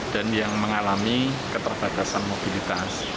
dan yang mengalami keterbatasan mobilitas